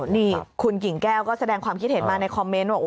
นี่คุณกิ่งแก้วก็แสดงความคิดเห็นมาในคอมเมนต์ว่า